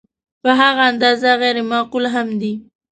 په هغه اندازه غیر معقول هم دی.